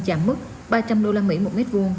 chạm mức ba trăm linh đô la mỹ mỗi mét vuông